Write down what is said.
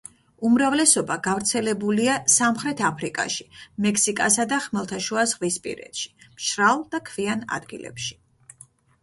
უმრავლესობა გავრცელებულია სამხრეთ აფრიკაში, მექსიკასა და ხმელთაშუაზღვისპირეთში, მშრალ და ქვიან ადგილებში.